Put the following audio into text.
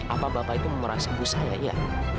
apa bapak itu merasa ibu saya